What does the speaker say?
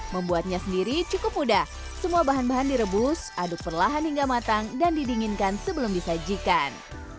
membuatnya sendiri cukup mudah semua bahan bahan direbus aduk perlahan hingga matang dan didinginkan sebelum disajikan